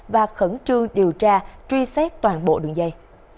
và khẩn trương điều tra truy xét toàn bộ đường dây